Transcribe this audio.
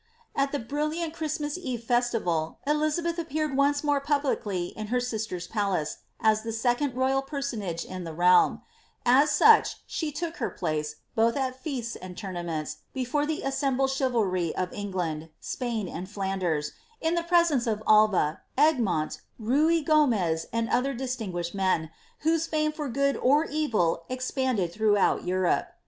At the brilliant Christmas eve festival, Elizabeth appeared once more pablicly in her sister's palace, as the second royal personage in the ntlm \ as such she took her place, both at feasts and tournaments, before ihe tnembled chivalry of England, Spain, and Flanders, in the presence ofAlvEiEgmont, Ruy Gomez, and other distinguished men, whose fame for good or evil expanded throughout Europe.